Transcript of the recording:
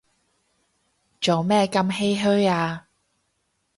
做咩咁唏噓啊